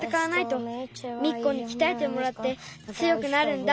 ミッコにきたえてもらってつよくなるんだ。